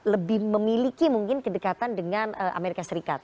lebih memiliki mungkin kedekatan dengan amerika serikat